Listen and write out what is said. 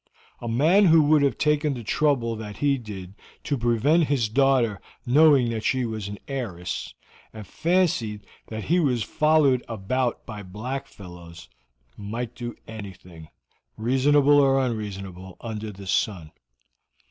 A man who would have taken the trouble that he did to prevent his daughter knowing that she was an heiress, and fancied that he was followed about by black fellows, might do anything, reasonable or unreasonable, under the sun.